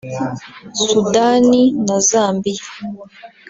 Sudani na Zambia